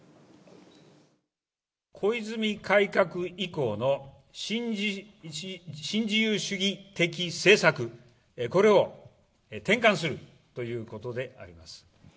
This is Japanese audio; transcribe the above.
小泉改革以降の新自由主義的政策、これを転換するということであります。